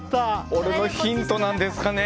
俺のヒントなんですかね。